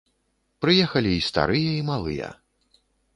Прыехалі і старыя, і малыя.